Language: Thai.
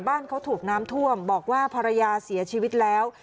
บ้านเขาถูกน้ำท่วมบอกว่าภรรยาเสียชีวิตแล้ว